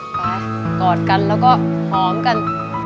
ไปกอดกันแล้วก็พร้อมกัน